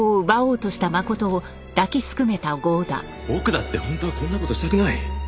僕だって本当はこんな事したくない。